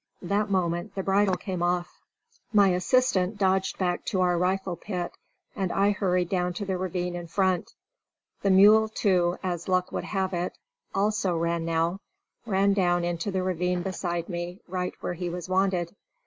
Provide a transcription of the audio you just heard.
That moment the bridle came off. My assistant dodged back to our rifle pit and I hurried down to the ravine in front. The mule, too, as luck would have it, also ran now, ran down into the ravine beside me, right where he was wanted.